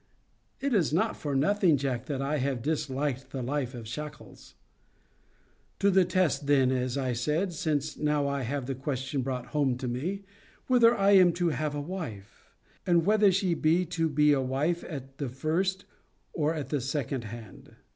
It is not for nothing, Jack, that I have disliked the life of shackles. To the test then, as I said, since now I have the question brought home to me, Whether I am to have a wife? And whether she be to be a wife at the first or at the second hand?